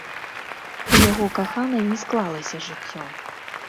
У яго каханай не склалася жыццё.